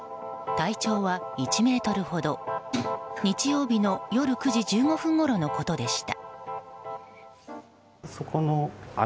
体長は１ｍほど、日曜日の夜９時１５分ごろのことでした。